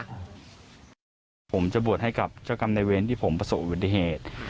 ผมจะบวชให้กับเจ้ากรรมในเวรที่ผมประสบอุบัติเหตุ